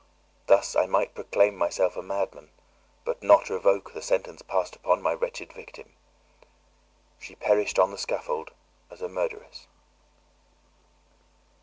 Thus I might proclaim myself a madman, but not revoke the sentence passed upon my wretched victim. She perished on the scaffold as a murderess!